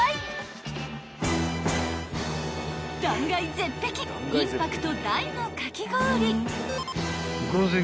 ［断崖絶壁インパクト大のかき氷］